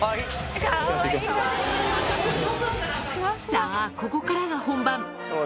さあ、ここからが本番。